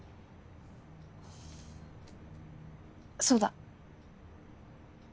そうだ！